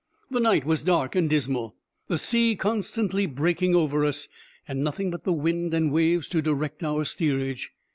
The night was dark and dismal, the sea constantly breaking over us, and nothing but the wind and waves to direct our steerage.